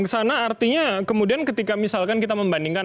karena artinya kemudian ketika misalkan kita membandingkan